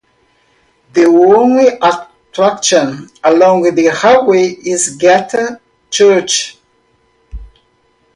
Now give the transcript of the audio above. The only attraction along the highway is Geta Church.